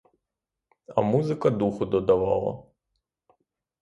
А музика духу додавала.